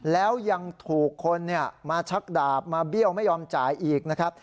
แล้วยังถูกคนมาชักดาบมาเบี้ยวไม่ยอมจ่ายอีกนะครับ